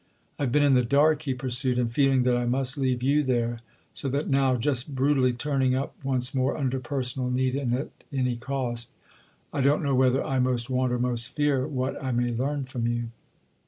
I've been in the dark," he pursued, "and feeling that I must leave you there; so that now—just brutally turning up once more under personal need and at any cost—I don't know whether I most want or most fear what I may learn from you."